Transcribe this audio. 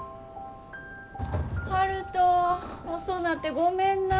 悠人遅なってごめんな。